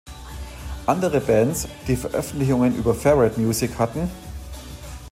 Andere Bands, die Veröffentlichungen über Ferret Music hatten